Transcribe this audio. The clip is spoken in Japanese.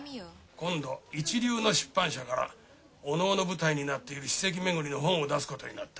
今度一流の出版社からお能の舞台になっている史跡めぐりの本を出すことになった。